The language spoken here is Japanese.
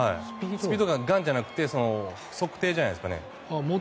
スピードガンじゃなくて測定じゃないですかね。